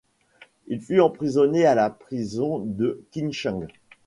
Il fut emprisonné à la prison de Qincheng.